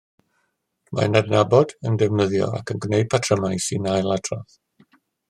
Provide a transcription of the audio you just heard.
Mae'n adnabod, yn defnyddio ac yn gwneud patrymau sy'n ailadrodd